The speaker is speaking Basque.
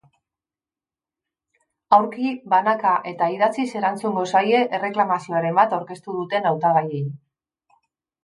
Aurki, banaka eta idatziz erantzungo zaie erreklamazioren bat aurkeztu duten hautagaiei.